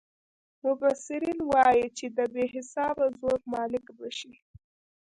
مبصرین یې وايي چې د بې حسابه زرو مالک به شي.